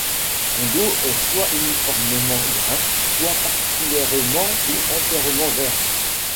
Son dos est soit uniformément brun, soit partiellement ou entièrement vert.